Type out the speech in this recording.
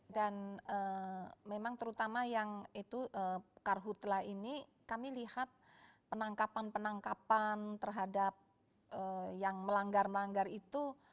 dan memang terutama yang itu karhutlah ini kami lihat penangkapan penangkapan terhadap yang melanggar melanggar itu